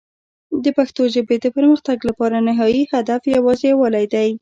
د پښتو ژبې د پرمختګ لپاره نهایي هدف یوازې یووالی دی.